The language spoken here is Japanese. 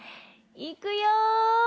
いくよ。